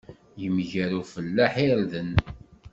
Yemger ufellaḥ irden.